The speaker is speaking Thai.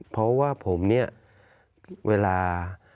ผมเนี่ยเวลา